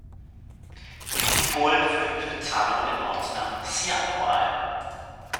Die Polen führten für Zanow den Ortsnamen "Sianów" ein.